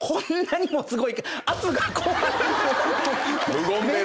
無言でね。